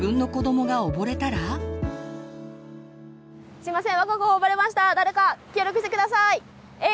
すみません。